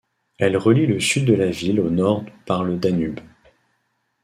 Elle relie le sud de la ville au nord par le Danube.